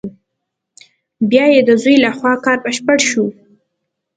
بیا یې د زوی له خوا کار بشپړ شو.